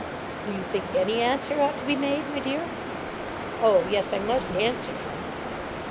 "Do you think any answer ought to be made, my dear?" "Oh yes; I must answer him."